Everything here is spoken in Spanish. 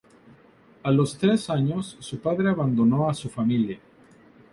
A los tres años, su padre abandonó a su familia.